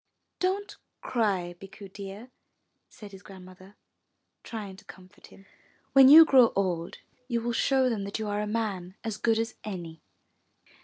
Don't cry, Bikku dear," said his Grandmother, trying to comfort him. When you grow old, you will show them that you are a man as good as any."